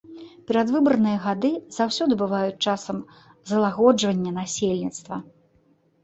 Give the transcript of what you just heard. Перадвыбарныя гады заўсёды бываюць часам залагоджвання насельніцтва.